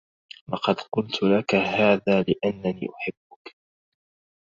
لقد قلت لك هذا لأنّني أحبّك.